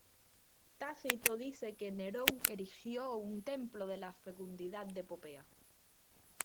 Tácito dice que Nerón erigió un templo de la fecundidad de Popea.